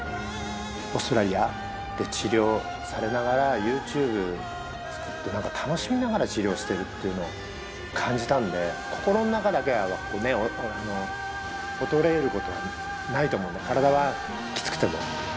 オーストラリアで治療されながら、ユーチューブ作って、なんか楽しみながら治療しているというのを感じたんで、心の中だけは衰えることはないと思う、体はきつくても。